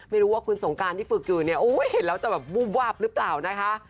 ไม่รู้ว่าคุณสงการที่ฝึกอยู่เนี่ยโอ้ยเห็นแล้วจะแบบวูบวาบหรือเปล่านะคะ